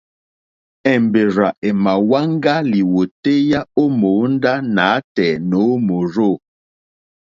Èmbèrzà èmà wáŋgá lìwòtéyá ó mòóndá nǎtɛ̀ɛ̀ nǒ mòrzô.